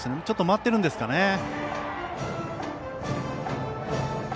ちょっと舞っているんですかね。